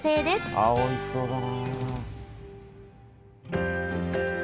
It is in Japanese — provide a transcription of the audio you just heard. おいしそうだな。